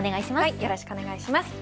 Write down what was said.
よろしくお願いします。